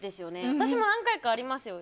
私も何回かありますよ。